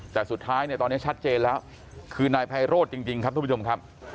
แต่สุดท้ายเนี่ยตอนนี้ชัดเจนแล้วคือนายไพโรธจริงครับทุกผู้ชมครับ